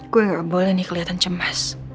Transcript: gue gak boleh nih keliatan cemas